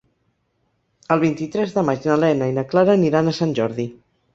El vint-i-tres de maig na Lena i na Clara aniran a Sant Jordi.